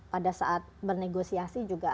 pada saat bernegosiasi juga